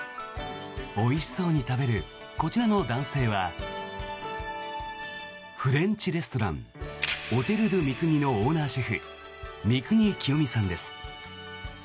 おいしそうに食べるこちらの男性はフレンチレストランオテル・ドゥ・ミクニのオーナーシェフ三國清三さんです。